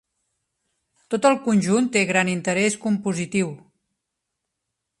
Tot el conjunt té gran interès compositiu.